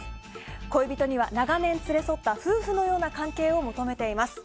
恋人には、長年連れ添った夫婦のような関係を求めています。